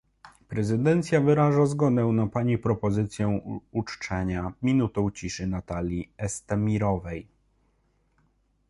Prezydencja wyraża zgodę na pani propozycję uczczenia minutą ciszy Natalii Estemirowej